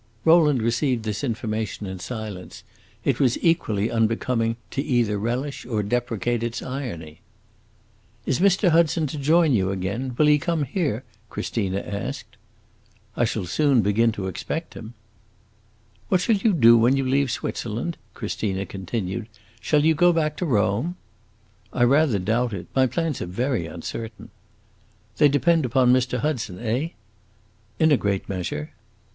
Rowland received this information in silence; it was equally unbecoming to either relish or deprecate its irony. "Is Mr. Hudson to join you again? Will he come here?" Christina asked. "I shall soon begin to expect him." "What shall you do when you leave Switzerland?" Christina continued. "Shall you go back to Rome?" "I rather doubt it. My plans are very uncertain." "They depend upon Mr. Hudson, eh?" "In a great measure."